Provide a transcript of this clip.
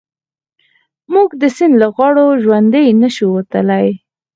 موږ د سيند له غاړو ژوندي نه شو وتلای.